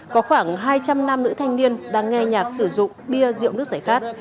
có khoảng hai trăm linh nam nữ thanh niên đang nghe nhạc sử dụng bia rượu nước giải khát